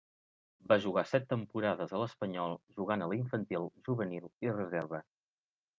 Va jugar set temporades a l'Espanyol, jugant a l'infantil, juvenil i reserva.